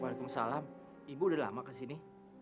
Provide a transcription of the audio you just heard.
waalaikumsalam ibu udah lama kesini